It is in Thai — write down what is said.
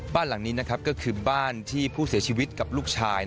บ้านหลังนี้นะครับก็คือบ้านที่ผู้เสียชีวิตกับลูกชาย